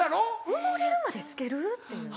埋もれるまでつける？っていう。